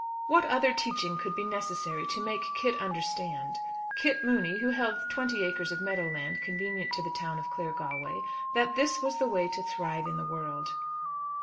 What other teaching could be necessary to make Kit understand, Kit Mooney who held twenty acres of meadow land convenient to the town of Claregalway, that this was the way to thrive in the world?